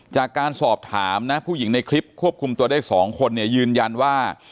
จากการสอบถามนะผู้หญิงในคลิปควบคุมตัวได้๒คนเนี่ยยืนยันว่า